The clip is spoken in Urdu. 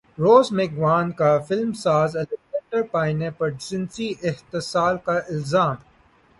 روز میکگواں کا فلم ساز الیگزینڈر پائنے پرجنسی استحصال کا الزام